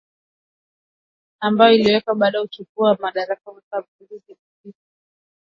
ambayo iliwekwa baada ya kuchukua madaraka kwa njia ya mapinduzi miezi sita iliyopita